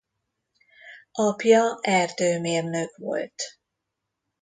Apja erdőmérnök volt.